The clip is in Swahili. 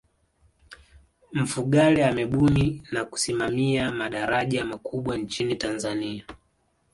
mfugale amebuni na kusimamia madaraja makubwa nchini tanzania